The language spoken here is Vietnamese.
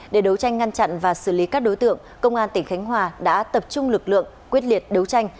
để đấu tranh ngăn chặn và xử lý các đối tượng công an tỉnh khánh hòa đã tập trung lực lượng quyết liệt đấu tranh